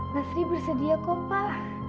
lastri bersedia kok pak